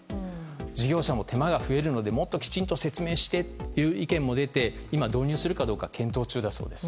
事業者も手間が増えるのでもっときちんと説明してという意見も出て今、導入するかどうか検討中だそうです。